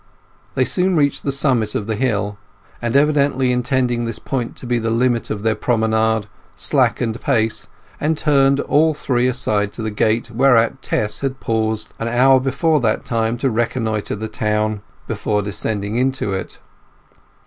They soon reached the summit of the hill, and, evidently intending this point to be the limit of their promenade, slackened pace and turned all three aside to the gate whereat Tess had paused an hour before that time to reconnoitre the town before descending into it.